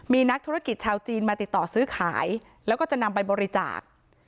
มีนักธุรกิจชาวจีนมาติดต่อซื้อขายแล้วก็จะนำไปบริจาค